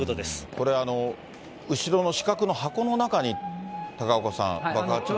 これ、後ろの四角の箱の中に、高岡さん、爆発物が入ってる？